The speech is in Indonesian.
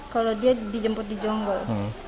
kalau dia dijemput di jonggol